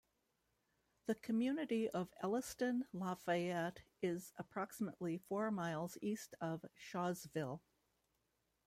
The community of Elliston-Lafayette is approximately four miles east of Shawsville.